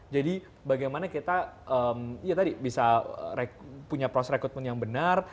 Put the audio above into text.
jadi bagaimana kita ya tadi bisa punya proses recruitment yang benar